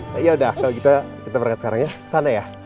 ready yaudah kita berangkat sekarang ya sana ya